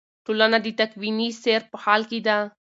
ټولنه د تکویني سیر په حال کې ده.